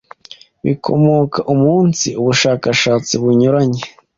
bikomoka umunsi bushakashatsi bunyuranye,